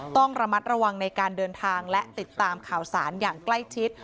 ต้องระมัดระวังในการเดินทางและติดตามข่าวสารอย่างใกล้ชิด